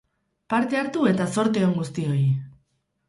Parte hartu eta zorte on guztioi!